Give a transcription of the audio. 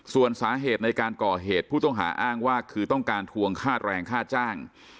ส่วนสาเหตุในการก่อเหตุผู้ต้องหาอ้างว่าคือต้องการทวงค่าแรงค่าจ้าง